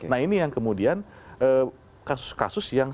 nah ini yang kemudian kasus kasus yang